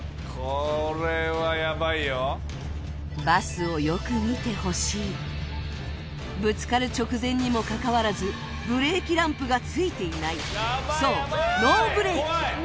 バスをよく見てほしいぶつかる直前にもかかわらずブレーキランプがついていないそう